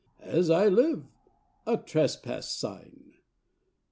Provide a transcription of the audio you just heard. As I live, a trespass sign!